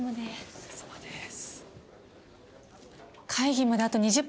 お疲れさまです。